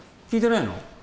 聞いてないの？